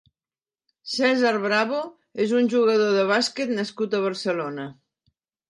Cèsar Bravo és un jugador de bàsquet nascut a Barcelona.